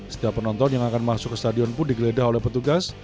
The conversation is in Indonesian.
setiap penonton yang akan masuk ke stadion pun digeledah oleh petugas